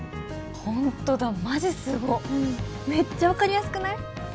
ホントだマジすごっめっちゃ分かりやすくない？